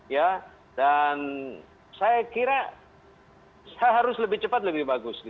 ya dan saya kira harus lebih cepat lebih bagus